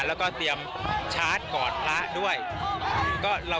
แล้วก็ไปทันแล้วก็ทำเจ้าเจ้า